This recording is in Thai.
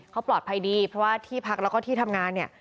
เขาปลอดภัยดีเพราะว่าที่พักแล้วก็ที่ทำงานเนี่ย